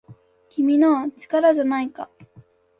「君の！力じゃないか!!」